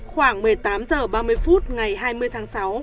khoảng một mươi tám h ba mươi phút ngày hai mươi tháng sáu